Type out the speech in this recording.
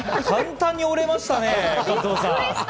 簡単に折れましたね、加藤さん。